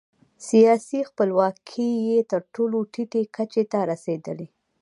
سیاسي خپلواکي یې تر ټولو ټیټې کچې ته رسېدلې.